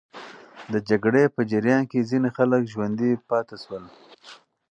د جګړې په جریان کې ځینې خلک ژوندي پاتې سول.